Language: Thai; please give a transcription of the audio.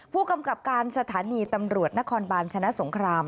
ผู้กำกับการสถานีตำรวจนครบาลชนะสงคราม